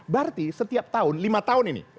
berarti setiap tahun lima tahun ini